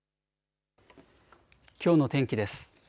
きょうの天気です。